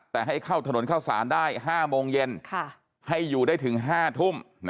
แต่ให้เข้าถนนเข้าสารได้๕โมงเย็นให้อยู่ได้ถึง๕ทุ่ม